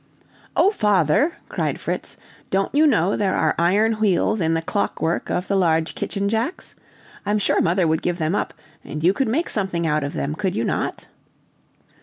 "Oh, father!" cried Fritz, "don't you know there are iron wheels in the clockwork of the large kitchen jacks? I'm sure mother would give them up, and you could make something out of them, could you not?"